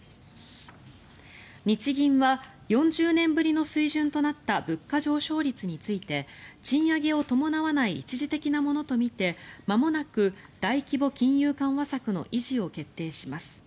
日銀は４０年ぶりの水準となった物価上昇率について賃上げを伴わない一時的なものとみてまもなく大規模金融緩和策の維持を決定します。